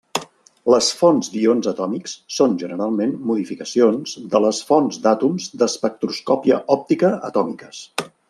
Les fonts d'ions atòmics són generalment modificacions de les fonts d'àtoms d'espectroscòpia òptica atòmiques.